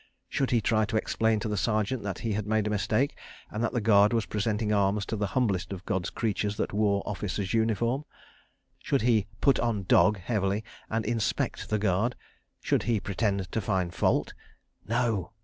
Should he try to explain to the Sergeant that he had made a mistake, and that the Guard was presenting arms to the humblest of God's creatures that wore officer's uniform? Should he "put on dog" heavily and "inspect" the Guard? Should he pretend to find fault? No!